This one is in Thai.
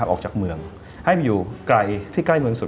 ออกจากเมืองให้ไปอยู่ไกลที่ใกล้เมืองสุด